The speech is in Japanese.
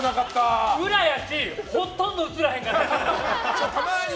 裏やし、ほとんど映らへんから。